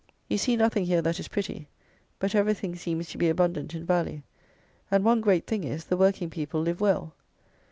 You see nothing here that is pretty; but everything seems to be abundant in value; and one great thing is, the working people live well.